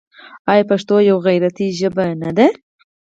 آیا پښتو یوه غیرتي ژبه نه ده؟